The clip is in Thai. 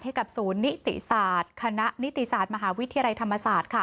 ให้กับศูนย์นิติศาสตร์คณะนิติศาสตร์มหาวิทยาลัยธรรมศาสตร์